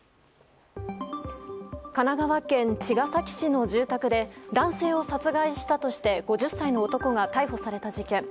神奈川県茅ヶ崎市の住宅で男性を殺害したとして５０歳の男が逮捕された事件。